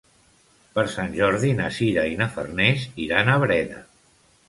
Per Sant Jordi na Sira i na Farners iran a Breda.